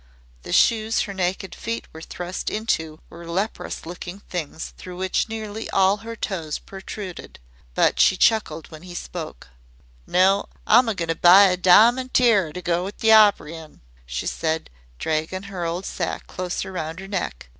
The shoes her naked feet were thrust into were leprous looking things through which nearly all her toes protruded. But she chuckled when he spoke. "No, I 'm goin' to buy a di'mond tirarer to go to the opery in," she said, dragging her old sack closer round her neck.